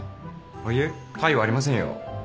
いえ他意はありませんよ。